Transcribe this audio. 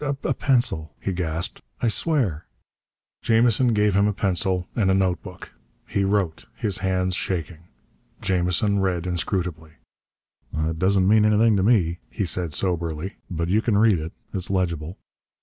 "A a pencil!" he gasped. "I swear " Jamison gave him a pencil and a notebook. He wrote, his hands shaking. Jamison read inscrutably. "It doesn't mean anything to me," he said soberly, "but you can read it. It's legible."